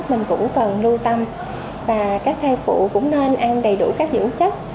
mình cũng cần lưu tâm và các thai phụ cũng nên ăn đầy đủ các dưỡng chất